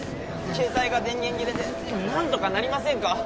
・携帯が電源切れで何とかなりませんか？